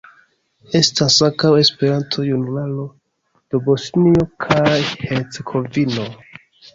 Estas ankaŭ Esperanto-Junularo de Bosnio kaj Hercegovino.